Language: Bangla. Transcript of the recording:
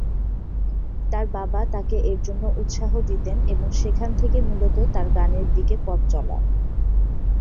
তার বাবা তাকে এর জন্য উৎসাহ দিতেন এবং সেখান থেকে মূলত তার গানের দিকে পথচলা।